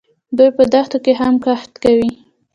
دوی په دښتو کې هم کښت کوي.